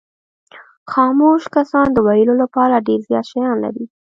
خاموش کسان د ویلو لپاره ډېر زیات شیان لري.